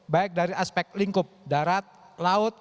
baik dari aspek lingkup darat laut